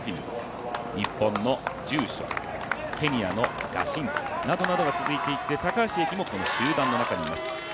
日本の住所、ケニアのガシンバなどが続いていって高橋英輝もこの集団の中にいます。